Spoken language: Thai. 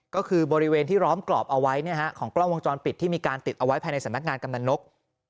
ก็คือบริเวณที่ร้อมกรอบเอาไว้ของกล้องวงจรปิดที่มีการติดเอาไว้ภายในสำนักงานกำนันนก